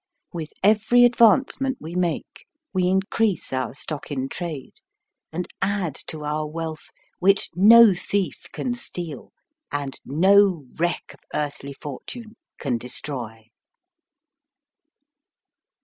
With every advancement we make we in crease our stock in trade, and add to our wealth which no thief can steal, and no wreck of earthly fortune can destroy.